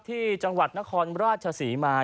ที่จังหวัดนครราชศรีมา